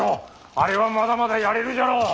あれはまだまだやれるじゃろう！